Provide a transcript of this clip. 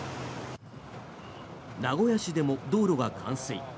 名古屋市でも道路が冠水。